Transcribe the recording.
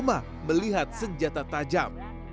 cuma melihat senjata tajam